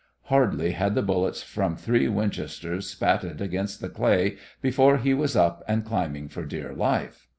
Hardly had the bullets from three Winchesters spatted against the clay before he was up and climbing for dear life.